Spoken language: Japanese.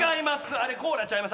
あれコーラちゃいます。